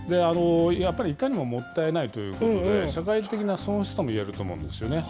やっぱり、いかにももったいないということで、社会的な損失ともいえると思うんですね。